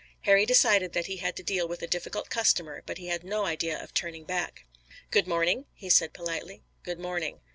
Harry decided that he had to deal with a difficult customer but he had no idea of turning back. "Good morning," he said politely. "Good morning."